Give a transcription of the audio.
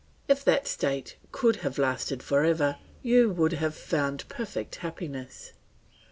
If that state could have lasted for ever, you would have found perfect happiness.